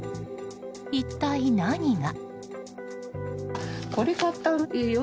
一体、何が？